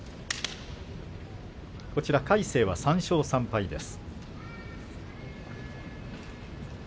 魁聖は３勝３敗です。